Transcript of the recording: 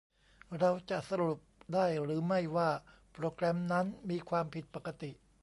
เราจะสรุปได้หรือไม่ว่าโปรแกรมนั้นมีความผิดปกติ ?